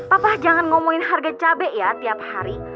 apa jangan ngomongin harga cabai ya tiap hari